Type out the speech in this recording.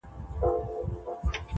o چي په سرو وینو کي اشنا وویني.